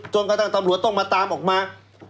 จนกระทำตำรวจต้องมาตามออกมา